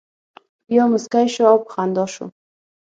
بیا مسکی شو او په خندا شو.